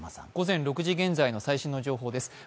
午前６時現在の最新の状況です。